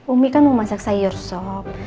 umi kan mau masak sayur sob